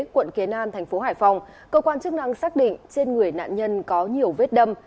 quận kiến an thành phố hải phòng cơ quan chức năng xác định trên người nạn nhân có nhiều vết đâm